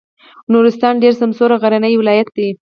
نورستان ډېر سمسور غرنی ولایت دی.